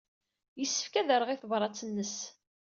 Yessefk ad rreɣ i tebṛat-nnes.